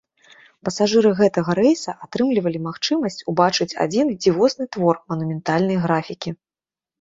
Пасажыры гэтага рэйса атрымлівалі магчымасць убачыць адзін дзівосны твор манументальнай графікі.